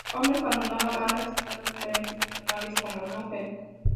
Holmes abandonó la banda citando diferencias personales con Nugent.